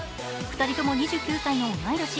２人とも２９歳の同い年。